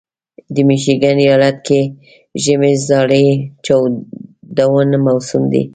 د میشیګن ایالت کې ژمی زارې چاودون موسم دی.